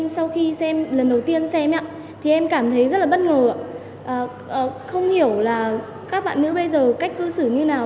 sau khi xem lần đầu tiên xem thì em cảm thấy rất là bất ngờ không hiểu là các bạn nữ bây giờ cách cư xử như nào